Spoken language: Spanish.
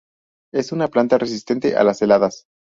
Es una planta resistente a las heladas.